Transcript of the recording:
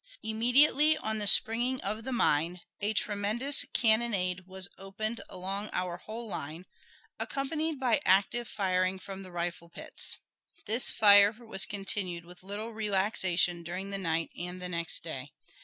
Immediately on the springing of the mine a tremendous cannonade was opened along our whole line, accompanied by active firing from the rifle pits. This fire was continued with little relaxation during the night and the next day.